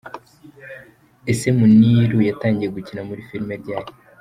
Ese Muniru yatangiye gukina muri filime ryari?.